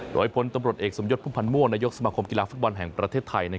โดยพลตำรวจเอกสมยศพุ่มพันธ์ม่วงนายกสมาคมกีฬาฟุตบอลแห่งประเทศไทย